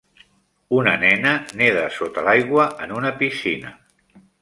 Una nena neda sota l'aigua en una piscina.